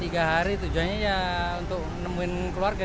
tiga hari tujuannya untuk menemukan keluarga